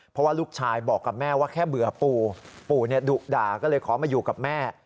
เพราะว่าลูกชายบอกกับแม่ว่าแค่เบื่อปู่ปู่ดุด่าก็เลยขอมาอยู่กับแม่